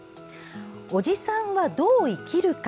「おじさんはどう生きるか」